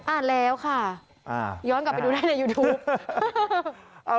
อ่านแล้วค่ะย้อนกลับไปดูได้ในยูทูป